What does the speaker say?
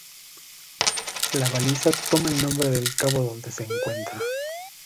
La baliza toma el nombre del cabo donde se encuentra.